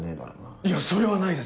いやそれはないです